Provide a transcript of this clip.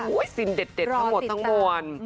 อุ้ยศิลป์เด็ดทั้งหมดทั้งมวล